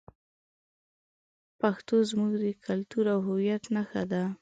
پښتو زموږ د کلتور او هویت نښه ده.